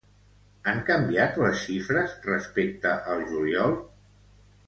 Han canviat les xifres respecte al juliol?